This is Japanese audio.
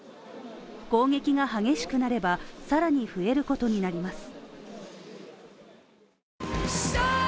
攻撃が激しくなれば、更に増えることになります。